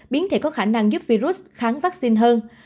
biến thể có khả năng giúp virus kháng vaccine hơn